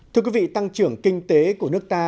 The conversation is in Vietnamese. thưa quý vị tăng trưởng kinh tế của nước ta